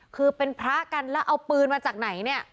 คือเป็นพระกันแล้วเอาปืนมาจากไหนเนี่ย